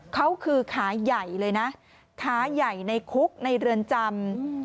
เขาคือขาใหญ่เลยนะขาใหญ่ในคุกในเรือนจำ